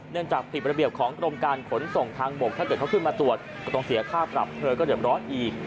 จากผิดระเบียบของกรมการขนส่งทางบกถ้าเกิดเขาขึ้นมาตรวจก็ต้องเสียค่าปรับเธอก็เดี๋ยวร้อนอีก